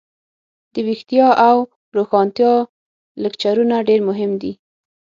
دویښتیا او روښانتیا لکچرونه ډیر مهم دي.